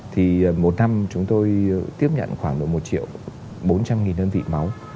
thì một năm chúng tôi tiếp nhận khoảng một triệu bốn trăm linh nghìn đơn vị máu